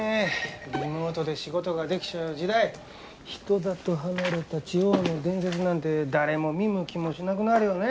リモートで仕事ができちゃう時代人里離れた地方の伝説なんて誰も見向きもしなくなるよね